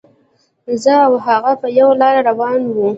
زه او هغه په یوه لاره روان وو.